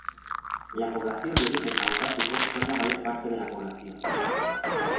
La población de origen caucásico son la mayor parte de la población.